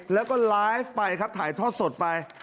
แล้วก็ไลฟ์ไปครับถ่ายทอดสดไป